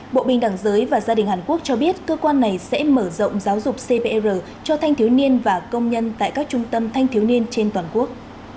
bộ bình đẳng giới và gia đình hàn quốc cho biết cơ quan này sẽ mở rộng giáo dục cpr cho thanh thiếu niên và công nhân tại các trung tâm thanh thiếu niên trên toàn quốc